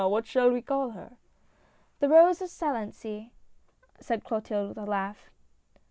" What shall we call her?" " The Rose of Salency," said Clotilde with a laugh.